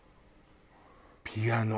ピアノ？